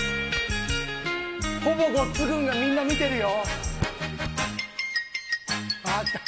ほぼごっつ軍がみんな見てるよ。